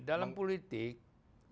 dalam politik itu